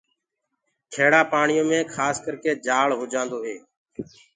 کيڙآ پآڻيو مي اڪسر جآݪ هوجآندو هي۔